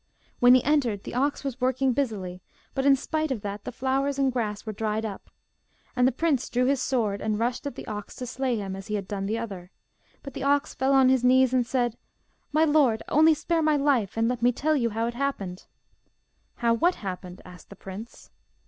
When he entered the ox was working busily; but in spite of that the flowers and grass were dried up. And the prince drew his sword, and rushed at the ox to slay him, as he had done the other. But the ox fell on his knees and said: 'My lord, only spare my life, and let me tell you how it happened.' 'How what happened?' asked the prince.